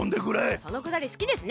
そのくだりすきですね。